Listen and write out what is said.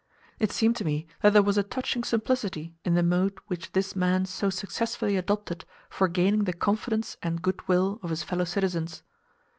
It seemed to me that there was a touching simplicity in the mode which this man so successfully adopted for gaining the confidence and goodwill of his fellow citizens.